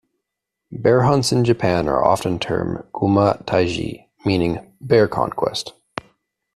Bear hunts in Japan are often termed "kuma taiji", meaning "bear conquest".